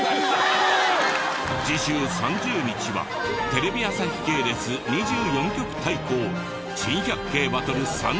次週３０日はテレビ朝日系列２４局対抗珍百景バトル３時間スペシャル！